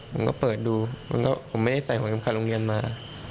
ผมก็เปิดดูผมไม่ได้ใส่หวยกรรมการโรงเรียนมา